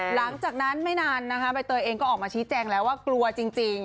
หลังจากนั้นไม่นานนะคะใบเตยเองก็ออกมาชี้แจงแล้วว่ากลัวจริง